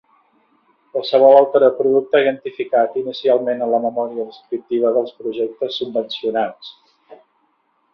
Qualsevol altre producte identificat inicialment en la memòria descriptiva dels projectes subvencionats.